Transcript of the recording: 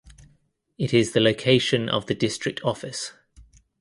It is the location of the district office.